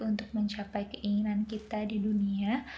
untuk mencapai keinginan kita di dunia